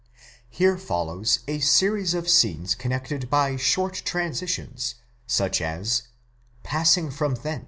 Here follows a series of scenes connected by short transitions, such as παράγων ἐκεῖθεν (ix.